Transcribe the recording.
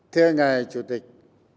theo ngài chủ tịch